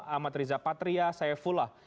amat riza patria saya fulah